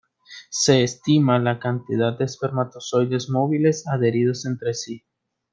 Se estima la cantidad de espermatozoides móviles adheridos entre sí.